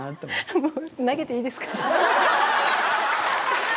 もう、投げていいですか？